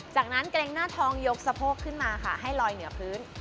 จากนั้นเกรงหน้าทองยกสะโพกขึ้นมาค่ะให้ลอยเหนือพื้น